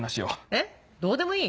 えっどうでもいい？